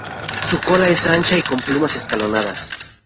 Su cola es ancha y con plumas escalonadas.